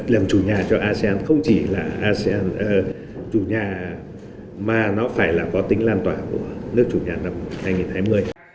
làm chủ nhà cho asean không chỉ là asean chủ nhà mà nó phải là có tính lan tỏa của nước chủ nhà năm hai nghìn hai mươi